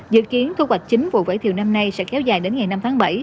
dự kiến thu hoạch chính vụ vải thiều năm nay sẽ kéo dài đến ngày năm tháng bảy